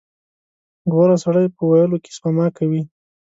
• غوره سړی په ویلو کې سپما کوي.